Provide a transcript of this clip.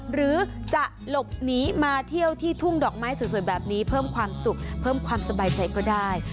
หรือจะหลบหนีมาเที่ยวที่ทุ่งดอกไม้สวยแบบนี้เพิ่มความสุขเพิ่มความสบายใจก็ได้